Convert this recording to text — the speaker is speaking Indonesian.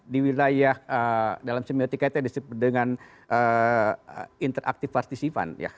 di wilayah dalam semiotika itu yang disebut dengan interaktif participan ya